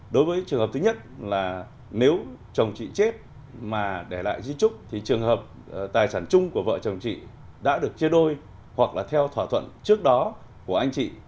đối với trường hợp thứ nhất là nếu chồng chị chết mà để lại duy trúc thì trường hợp tài sản chung của vợ chồng chị đã được chia đôi hoặc là theo thỏa thuận trước đó của anh chị